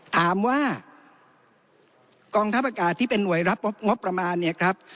ถามว่ากองทัพอากาศที่เป็นห่วยรับงบประมาณเนี่ยครับ